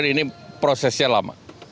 tapi ini prosesnya lama